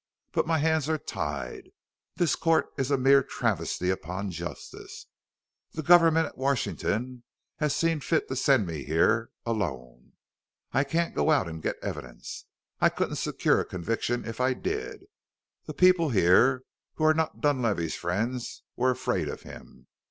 "But my hands are tied; this court is a mere travesty upon justice. The government at Washington has seen fit to send me here alone. I can't go out and get evidence; I couldn't secure a conviction if I did. The people here who are not Dunlavey's friends were afraid of him.